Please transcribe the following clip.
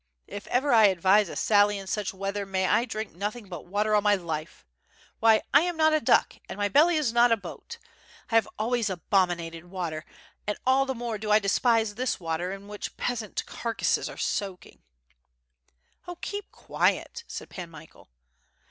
If ever 1 advise a sally in such weather may I drink nothing but water all my life! Why, I am not a duck and my belly is not a boat. I have always abominated water, and all the more do I despise this water in which peasant carcasses are soaking." WITH FIRE AND SWORD. ^29 "0 keep quiet/' said Pan Michael.